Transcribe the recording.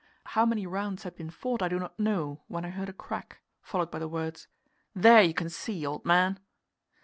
How many rounds had been fought I do not know, when I heard a crack, followed by the words: "There you can see, old man!"